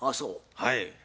はい。